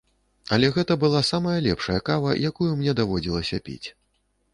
Але гэта была самая лепшая кава, якую мне даводзілася піць.